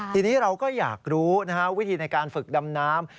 ทีนี้เราก็อยากรู้วิธีในการฝึกดำน้ำ